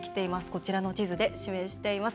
こちらの地図で示しています。